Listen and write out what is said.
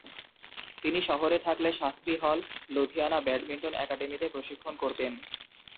তিনি শহরে থাকলে শাস্ত্রী হল, লুধিয়ানা ব্যাডমিন্টন একাডেমীতে প্রশিক্ষণ করতেন।